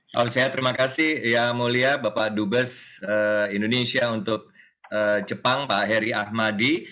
salam sehat terima kasih yang mulia bapak dubes indonesia untuk jepang pak heri ahmadi